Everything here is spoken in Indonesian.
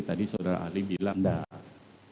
tadi saudara ahli bilang tidak